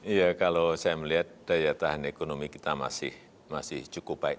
iya kalau saya melihat daya tahan ekonomi kita masih cukup baik